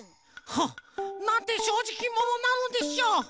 はっ！なんてしょうじきものなのでしょう！